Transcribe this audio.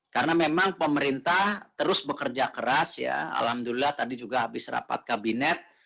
karena memang pemerintah terus bekerja keras ya alhamdulillah tadi juga habis rapat kabinet